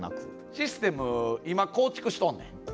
システム、今、構築しとんねん。